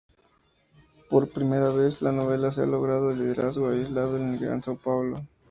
Por primera vez, la novela ha logrado liderazgo, aislado en el Gran São Paulo.